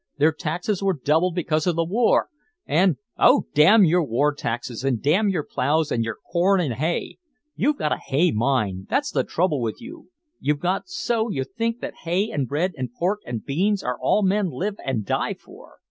Their taxes were doubled because of the war, and " "Oh, damn your war taxes, and damn your plows and your corn and hay! You've got a hay mind, that's the trouble with you! You've got so you think that hay and bread and pork and beans are all men live and die for!